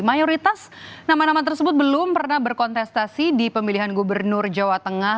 mayoritas nama nama tersebut belum pernah berkontestasi di pemilihan gubernur jawa tengah